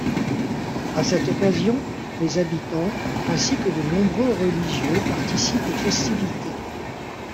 À cette occasion, les habitants, ainsi que de nombreux religieux participent aux festivités.